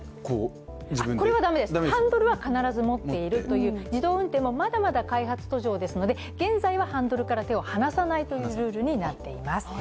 これは駄目です、ハンドルは必ず持っているという、自動運転もまだまだ開発途上ですので、現在はハンドルから手を離さないというルールになっています。